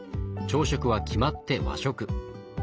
朝食は決まって和食。